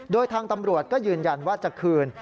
โดยทางตำรวจก็ยืนยันว่าจะคืน